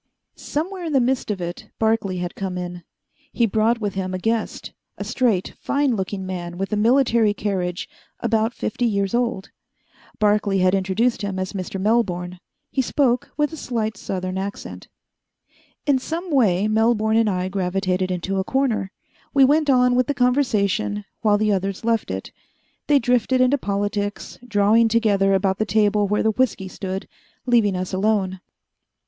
Somewhere in the midst of it, Barclay had come in. He brought with him a guest a straight, fine looking man with a military carriage, about fifty years old. Barclay had introduced him as Mr. Melbourne. He spoke with a slight southern accent. In some way Melbourne and I gravitated into a corner. We went on with the conversation while the others left it. They drifted into politics, drawing together about the table where the whisky stood, leaving us alone.